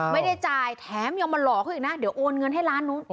ไม่ได้จ่ายแถมยังมาหลอกเขาอีกนะเดี๋ยวโอนเงินให้ล้านนู้น